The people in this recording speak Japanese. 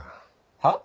はっ！？